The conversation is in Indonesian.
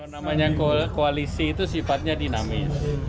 namanya koalisi itu sifatnya dinamis